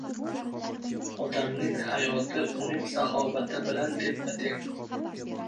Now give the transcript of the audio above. Odamning hayoti uning sahovati bilan teppateng.